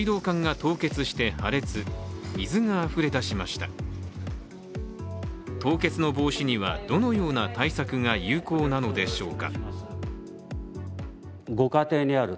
凍結の防止にはどのような対策が有効なのでしょうか。